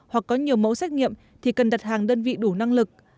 hoặc có nhiều mẫu xét nghiệm thì cần đặt hàng đơn vị đủ năng lực